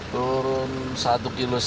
turun satu lima kg